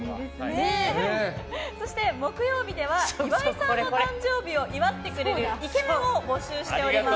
そして、木曜日では岩井さんの誕生日を祝ってくれるイケメンを募集しております。